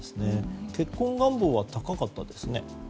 結婚願望は高かったですね。